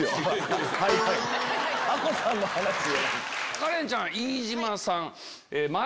カレンちゃん。